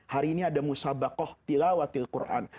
hari ini ada musabakoh tilawatil quran